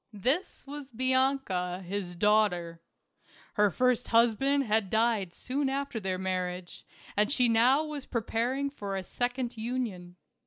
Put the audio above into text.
This was Bianca, his daughter. Her first husband had died soon after their marriage, and she was now prepar ing for a second union.